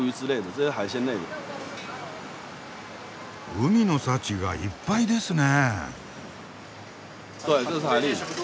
海の幸がいっぱいですね？